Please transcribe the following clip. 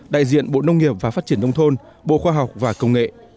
đại diện bộ nông nghiệp và phát triển nông thôn bộ khoa học và công nghệ